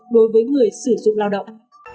đối với người sử dụng lao động